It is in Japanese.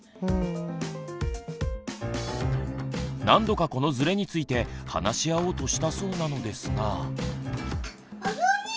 何度かこのズレについて話し合おうとしたそうなのですが。